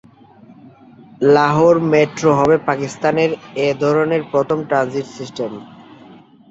Lahore metro হবে পাকিস্তানের এ ধরনের প্রথম ট্রানজিট সিস্টেম।